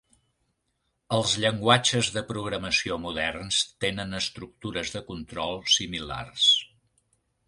Els llenguatges de programació moderns tenen estructures de control similars.